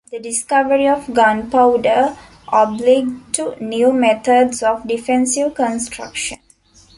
The discovery of gunpowder obliged to new methods of defensive construction.